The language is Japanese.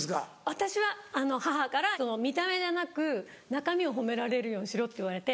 私は母から見た目じゃなく中身を褒められるようにしろって言われて。